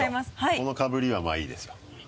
このかぶりはまぁいいですよ。